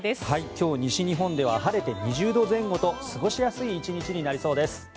今日、西日本では晴れて２０度前後と過ごしやすい１日になりそうです。